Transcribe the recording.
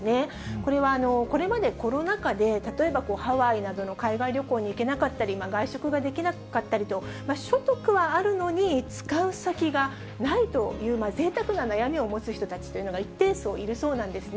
これは、これまでコロナ禍で、例えば、ハワイなどの海外旅行に行けなかったり、外食ができなかったりと、所得はあるのに使う先がないという、ぜいたくな悩みを持つ人たちというのが一定層、いるそうなんですね。